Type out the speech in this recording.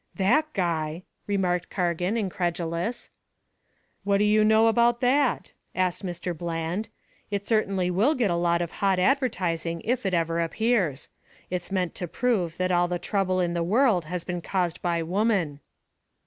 "That guy," remarked Cargan, incredulous. "What do you know about that?" asked Mr. Bland. "It certainly will get a lot of hot advertising if it ever appears. It's meant to prove that all the trouble in the world has been caused by woman."